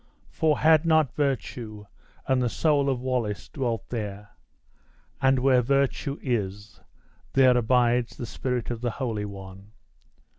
For, had not virtue, and the soul of Wallace, dwelt there? and where virtue is, there abides the Spirit of the Holy One!